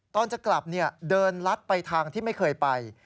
ตอนจะกลับเดินลัดไปทางที่ไม่เคยไป